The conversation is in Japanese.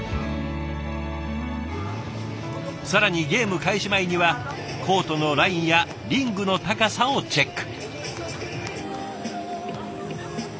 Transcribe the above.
更にゲーム開始前にはコートのラインやリングの高さをチェック。